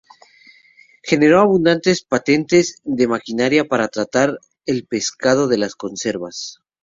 Generó abundantes patentes de maquinaria para tratar el pescado de las conservas.